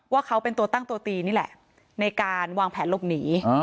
ว่าเขาเป็นตัวตั้งตัวตีนี่แหละในการวางแผนหลบหนี